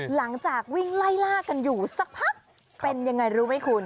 หลังจากวิ่งไล่ล่ากันอยู่สักพักเป็นยังไงรู้ไหมคุณ